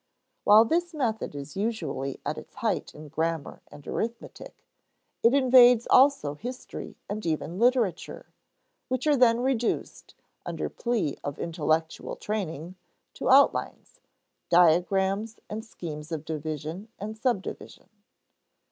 While this method is usually at its height in grammar and arithmetic, it invades also history and even literature, which are then reduced, under plea of intellectual training, to "outlines," diagrams, and schemes of division and subdivision.